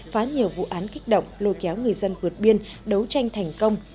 phá nhiều vụ án kích động lôi kéo người dân vượt biên đấu tranh thành công